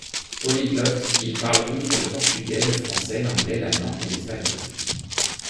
Polyglotte, il parle outre le portugais, le français, l'anglais, l'allemand ou l'espagnol.